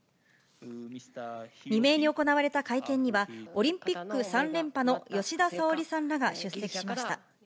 未明に行われた会見には、オリンピック３連覇の吉田沙保里さんらが出席しました。